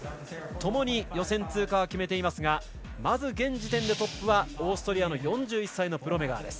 ともに予選通過は決めていますがまず現時点でトップはオーストリアの４１歳のプロメガー。